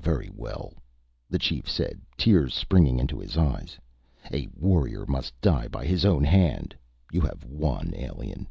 "Very well," the chief said, tears springing into his eyes. "A warrior must die by his own hand. You have won, alien."